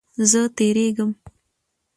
زه تیریږم